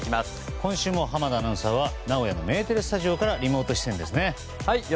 今週も濱田アナウンサーは名古屋のメテレスタジオからリモート出演です。